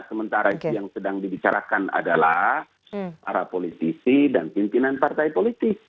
sementara itu yang sedang dibicarakan adalah para politisi dan pimpinan partai politik